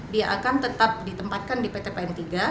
dia akan tetap ditempatkan di ptpn tiga